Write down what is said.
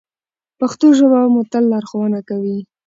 پښتو ژبه به مو تل لارښوونه کوي.